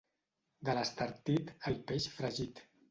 De l'Estartit, el peix fregit.